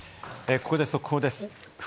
ここで速報です。